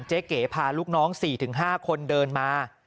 เก๋พาลูกน้อง๔๕คนเดินมา